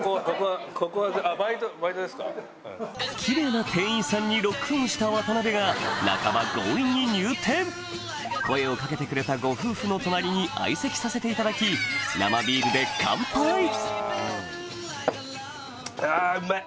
キレイな店員さんにロックオンした渡辺が半ば強引に入店声をかけてくれたご夫婦の隣に相席させていただき生ビールで乾杯あうまい！